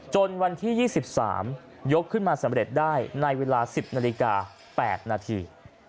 จนวันที่๒๓ยกขึ้นมาสำเร็จได้ในเวลา๑๐นาฬิกา๘นาที